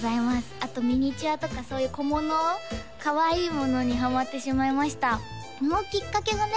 あとミニチュアとかそういう小物かわいいものにハマってしまいましたそのきっかけがね